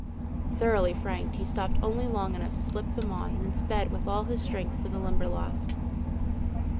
Thoroughly frightened, he stopped only long enough to slip them on, and then sped with all his strength for the Limberlost.